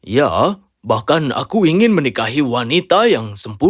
ya bahkan aku ingin menikahi wanita yang tidak menikah